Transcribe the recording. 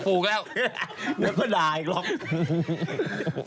คุณมันก็ด่าอีกหรอก